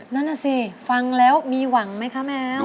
นั่นน่ะสิฟังแล้วมีหวังไหมคะแมว